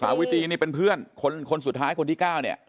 วิตีนี่เป็นเพื่อนคนสุดท้ายคนที่๙เนี่ย